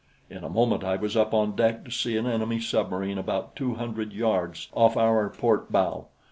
In a moment I was up on deck to see an enemy submarine about two hundred yards off our port bow.